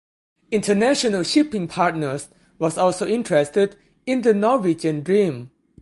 International Shipping Partners was also interested in the "Norwegian Dream".